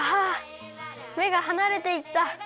めがはなれていった。